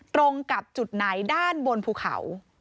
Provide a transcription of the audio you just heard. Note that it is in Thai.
ตรงกับจุดไหนด้านบนภูเขา